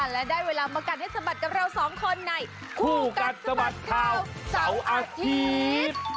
และได้เวลามากัดให้สะบัดกับเราสองคนในคู่กัดสะบัดข่าวเสาร์อาทิตย์